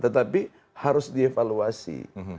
tetapi harus dievaluasi